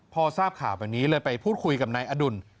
พอทราบข่าวแบบนี้เลยไปพูดคุยกับนายอดุล